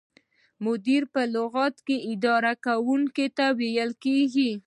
مدیر په لغت کې اداره کوونکي ته ویل کیږي.